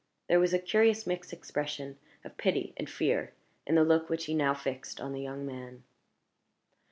There was a curious mixed expression of pity and fear in the look which he now fixed on the young man.